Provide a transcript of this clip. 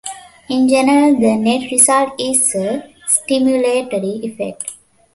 In general, the net result is a stimulatory effect.